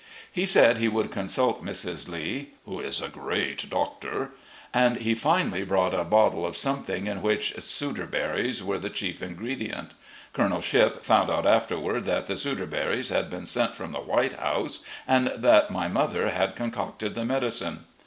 He said that he would consult Mrs. Lee ("who is a great doctor"), and he finally brought a bottle of something in which sudor berries were the chief ingredient. Colonel Shipp found out afterward that the sudor berries had been sent from the White House, and that my mother had concocted the medicine.